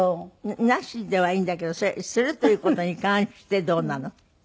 なしはいいんだけどするっていう事に関してどうなの？